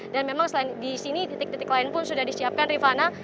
dan memang di sini titik titik lain pun sudah disiapkan rifana